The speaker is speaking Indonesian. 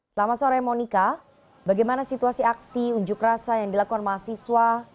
selamat sore monika bagaimana situasi aksi unjuk rasa yang dilakukan mahasiswa